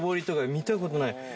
見たことない。